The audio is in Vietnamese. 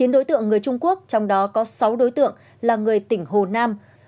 chín đối tượng người trung quốc trong đó có sáu đối tượng là người tỉnh hồ nam